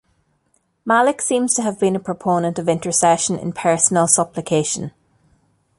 Malik seems to have been a proponent of intercession in personal supplication.